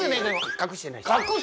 隠してないです。